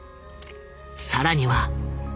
更には。